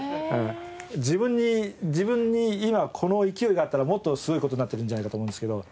自分に自分に今この勢いがあったらもっとすごい事になってるんじゃないかと思うんですけど。